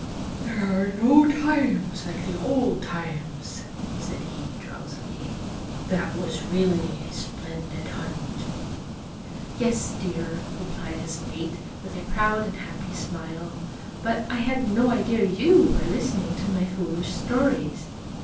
"There are no times like the old times!' said he, drowsily. "That was really a splendid hunt!" "Yes, dear," replied his mate, with a proud and happy smile; "but I had no idea you were listening to my foolish stories.